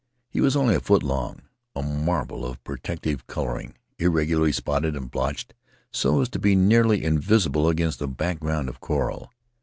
He was only a foot long — a marvel of protective color ing, irregularly spotted and blotched so as to be nearly invisible against a background of coral.